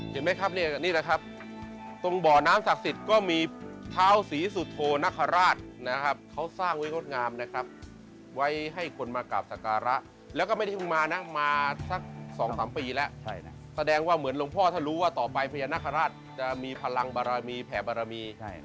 เห็นไหมครับนี่นะครับตรงบ่อน้ำศักดิ์สิทธิ์ก็มีเท้าศรีสุโธนคราชนะครับเขาสร้างไว้งดงามนะครับไว้ให้คนมากราบสการะแล้วก็ไม่ได้เพิ่งมานะมาสัก๒๓ปีแล้วแสดงว่าเหมือนหลวงพ่อถ้ารู้ว่าต่อไปพญานาคาราชจะมีพลังบารมีแผ่บารมี